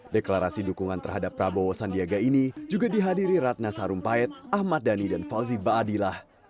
deklarasi dukungan terhadap prabowo sandiaga ini juga dihadiri ratna sarumpait ahmad dhani dan fauzi baadillah